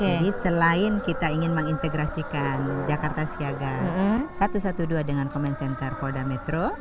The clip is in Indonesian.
jadi selain kita ingin mengintegrasikan jakarta siaga satu ratus dua belas dengan command center polra metro